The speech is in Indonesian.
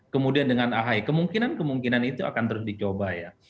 kemudian dengan ahy kemungkinan kemungkinan itu akan terus dicoba ya